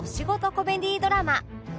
コメディドラマ